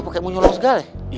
pake mau nyolong segala ya